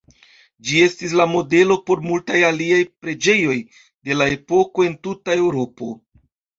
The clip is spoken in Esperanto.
Ĝi estis la modelo por multaj aliaj preĝejoj de la epoko en tuta Eŭropo.